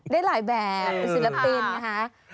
ได้หลายแบบเป็นศิลปินนะคะ